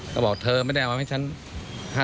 ก็บอกเธอไม่ได้เอามาให้ฉัน๕๓๓๗๒๖อ่ะ